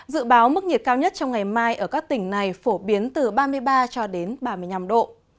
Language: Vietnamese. dự báo mức nhiệt cao nhất trong ngày mai ở các tỉnh này phổ biến từ ba mươi ba cho đến ba mươi năm độ